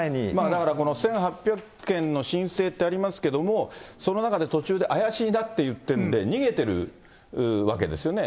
だからこの１８００件の申請ってありますけれども、その中で途中で怪しいなっていって逃げてるわけですよね。